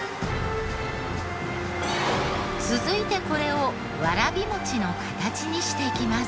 続いてこれをわらび餅の形にしていきます。